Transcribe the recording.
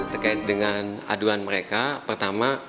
terkait dengan aduan mereka pertama